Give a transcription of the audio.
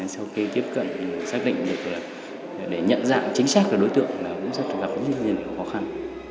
sau khi tiếp cận thì xác định được là để nhận dạng chính xác của đối tượng là cũng rất là khó khăn